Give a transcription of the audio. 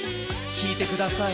きいてください。